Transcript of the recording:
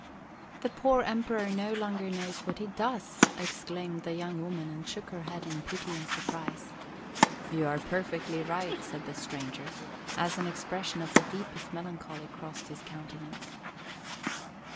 "The poor Emperor no longer knows what he does!" exclaimed the young woman; and shook her head in pity and surprise. "You are perfectly right," said the stranger, as an expression of the deepest melancholy crossed his countenance.